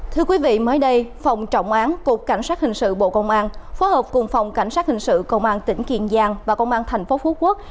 thưa quý vị mới đây phòng trọng án cục cảnh sát hình sự bộ công an phối hợp cùng phòng cảnh sát hình sự công an tỉnh kiên giang và công an thành phố phú quốc